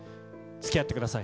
つきあってください。